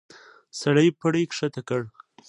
سړی پړی کښته کړ.